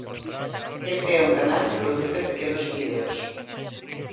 Este é un canal que produce pequenos vídeos.